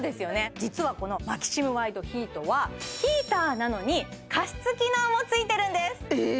実はこのマキシムワイドヒートはヒーターなのに加湿機能もついてるんです